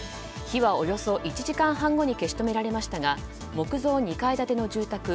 火はおよそ１時間半後に消し止められましたが木造２階建ての住宅